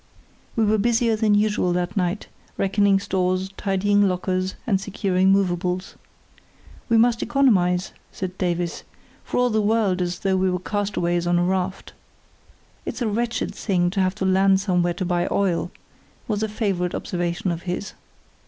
We were busier than usual that night, reckoning stores, tidying lockers, and securing movables. "We must economise," said Davies, for all the world as though we were castaways on a raft. "It's a wretched thing to have to land somewhere to buy oil," was a favourite observation of his.